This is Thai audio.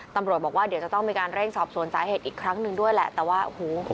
ตำรวจบอกว่าเดี๋ยวจะต้องมีการเร่งสอบสวนสาเหตุอีกครั้งหนึ่งด้วยแหละแต่ว่าโอ้โห